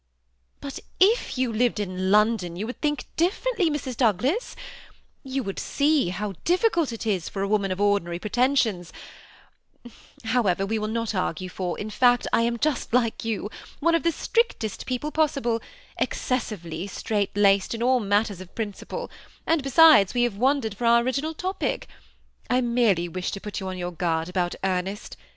"But if you lived in London, you would think differently, Mrs. Douglas ; you would see how difficult it is for a woman of ordinary pretensions How ever, we will not argue, for, in fact, 1 am just like youj one of the strictest people possible, excessively strait laced in all matters of principle ; and, besides, we have THE SEMI ATTACHED COUPLE. 153 wandered from our original topic. I merely wished to put you on youp guard about Ernest.